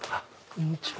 こんにちは。